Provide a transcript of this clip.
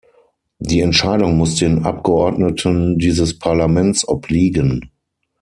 Die Entscheidung muss den Abgeordneten dieses Parlaments obliegen.